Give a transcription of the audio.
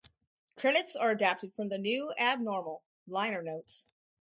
Credits are adapted from "The New Abnormal" liner notes.